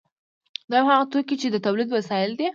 دویم هغه توکي دي چې د تولید وسایل دي.